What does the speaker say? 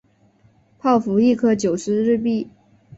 泡芙一颗九十日币